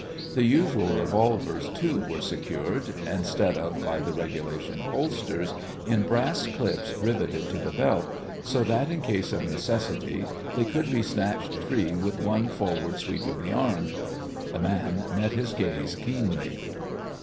The usual revolvers, too, were secured, instead of by the regulation holsters, in brass clips riveted to the belt, so that in case of necessity they could be snatched free with one forward sweep of the arm. The man met his gaze keenly.